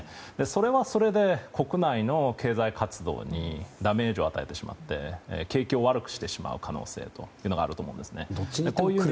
それはそれで、国内の経済活動にダメージを与えてしまって景気を悪くしてしまう可能性があるんですね。